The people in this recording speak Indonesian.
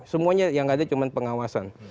semuanya yang ada cuma pengawasan